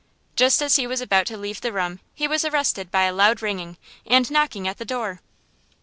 Just as he was about to leave the room he was arrested by a loud ringing and knocking at the door.